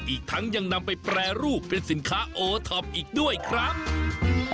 อีกทั้งยังนำไปแปรรูปเป็นสินค้าโอท็อปอีกด้วยครับ